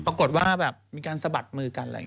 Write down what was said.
ปรากฏว่าแบบมีการสะบัดมือกันอะไรอย่างนี้